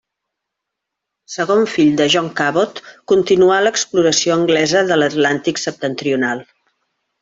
Segon fill de John Cabot, continuà l'exploració anglesa de l'Atlàntic septentrional.